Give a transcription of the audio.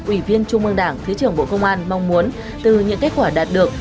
ủy viên trung ương đảng thứ trưởng bộ công an mong muốn từ những kết quả đạt được